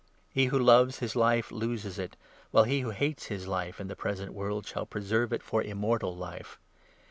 He who loves his lite loses it ; while he who hates his 25 life in the present world shall preserve it for Immortal Life.